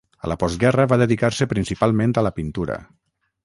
A la postguerra va dedicar-se principalment a la pintura.